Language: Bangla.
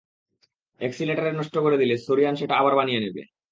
অ্যাক্সিলারেটর নষ্ট করে দিলে, সোরিয়ান সেটা আবার বানিয়ে নেবে।